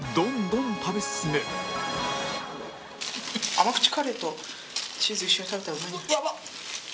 甘口カレーとチーズ一緒に食べたらうまいんじゃない？